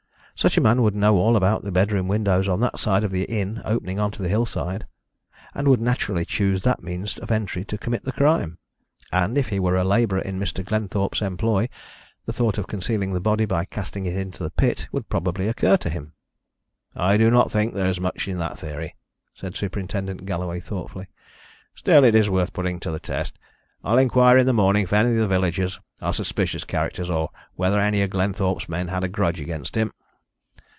Such a man would know all about the bedroom windows on that side of the inn opening on to the hillside, and would naturally choose that means of entry to commit the crime. And, if he were a labourer in Mr. Glenthorpe's employ, the thought of concealing the body by casting it into the pit would probably occur to him." "I do not think there is much in that theory," said Superintendent Galloway thoughtfully. "Still, it is worth putting to the test. I'll inquire in the morning if any of the villagers are suspicious characters, or whether any of Glenthorpe's men had a grudge against him."